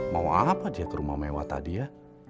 mau apa dia ke rumah mewah tadi ya